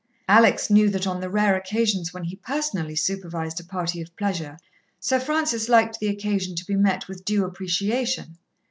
Alex knew that on the rare occasions when he personally supervised a party of pleasure, Sir Francis liked the occasion to be met with due appreciation.